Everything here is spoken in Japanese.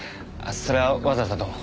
それはわざわざどうも。